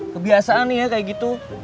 kebiasaan ya kayak gitu